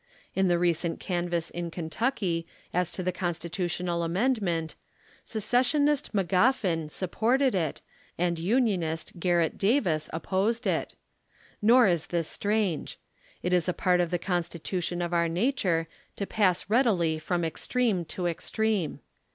In the recent canvass in Kentucky as to the Constitutional Amendment, secessionist ]MagofHn supported it and Unionist Garret Davis opposed it. JSTor is tins strange. It is a part of the constitution of our nature to pass readily from extreme to extreme.